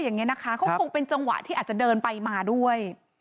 อย่างนี้นะคะเขาคงเป็นจังหวะที่อาจจะเดินไปมาด้วย